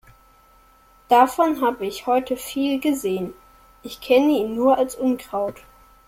Davon hab ich heute viel gesehen. Ich kenne ihn nur als Unkraut.